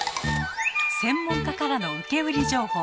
専門家からの受け売り情報。